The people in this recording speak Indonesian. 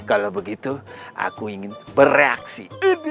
kalau begitu aku ingin bereaksi